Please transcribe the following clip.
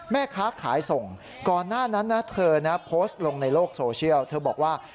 แม่ค้าขายส่งก่อนหน้านั้นนะเธอนะโพสต์ลงในโลกโซเชียลเธอบอกว่า